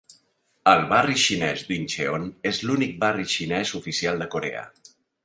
El barri xinès d'Incheon és l'únic barri xinès oficial de Corea.